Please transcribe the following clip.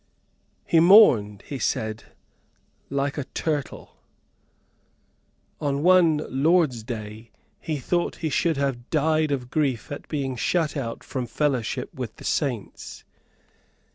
He mourned, he said, like a turtle. On one Lord's day he thought he should have died of grief at being shut out from fellowship with the saints.